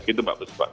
gitu mbak buspa